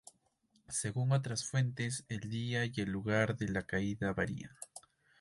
Según otras fuentes, el día y el lugar de su caída varían.